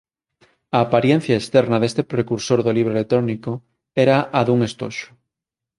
A aparencia externa deste precursor do libro electrónico era a dun estoxo.